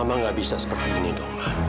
ma gak bisa seperti ini ma